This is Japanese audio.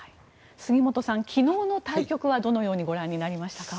杉本さん、昨日の対局はどのようにご覧になりましたか。